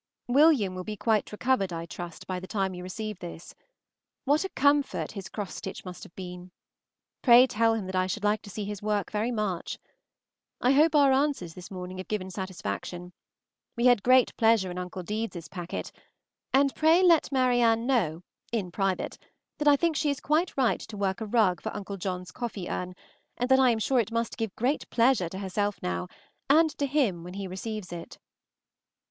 William will be quite recovered, I trust, by the time you receive this. What a comfort his cross stitch must have been! Pray tell him that I should like to see his work very much. I hope our answers this morning have given satisfaction; we had great pleasure in Uncle Deedes' packet; and pray let Marianne know, in private, that I think she is quite right to work a rug for Uncle John's coffee urn, and that I am sure it must give great pleasure to herself now, and to him when he receives it.